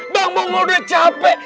bang mongol udah capek